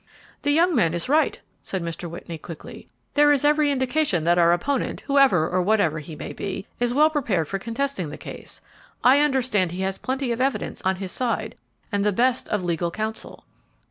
"The young man is right," said Mr. Whitney, quickly; "there is every indication that our opponent, whoever or whatever he may be, is well prepared for contesting the case. I understand he has plenty of evidence on his side and the best of legal counsel."